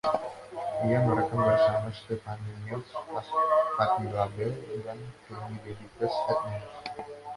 Ia merekam bersama Stephanie Mills, Patti LaBelle, dan Kenny "Babyface" Edmonds.